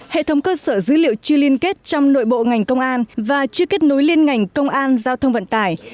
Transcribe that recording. hệ thống cơ sở dữ liệu chưa liên kết trong nội bộ ngành công an và chưa kết nối liên ngành công an giao thông vận tải